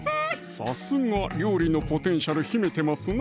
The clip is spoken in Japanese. さすが料理のポテンシャル秘めてますな